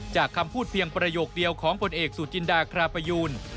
คำพูดเพียงประโยคเดียวของผลเอกสุจินดาคราปยูน